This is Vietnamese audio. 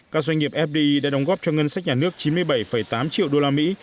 các doanh nghiệp fdi đã đóng góp cho ngân sách nhà nước chín mươi bảy tám triệu usd